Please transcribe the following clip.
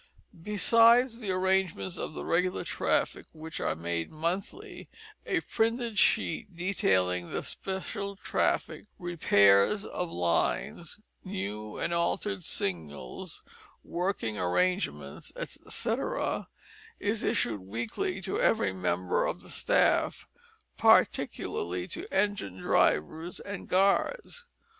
Besides the arrangements for the regular traffic, which are made monthly, a printed sheet detailing the special traffic, repairs of lines, new and altered signals, working arrangements, etcetera, is issued weekly to every member of the staff; particularly to engine drivers and guards.